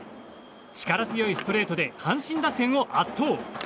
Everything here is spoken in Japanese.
力強いストレートで阪神打線を圧倒。